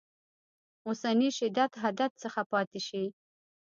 اوسني شدت حدت څخه پاتې شي.